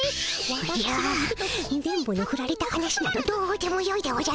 おじゃ電ボのフラれた話などどうでもよいでおじゃる。